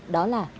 đó là chung tay